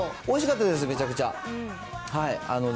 おいしかったです、めちゃめちゃ。